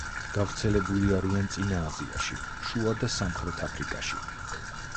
გავრცელებული არიან წინა აზიაში, შუა და სამხრეთ აფრიკაში.